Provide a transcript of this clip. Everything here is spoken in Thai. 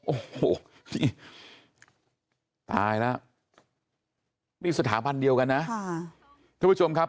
โอ้โหตายแล้วนี่สถาบันเดียวกันนะทุกผู้ชมครับ